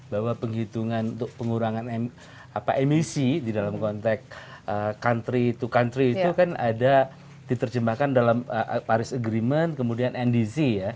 bahwa penghitungan untuk pengurangan emisi di dalam konteks country to country itu kan ada diterjemahkan dalam paris agreement kemudian ndc ya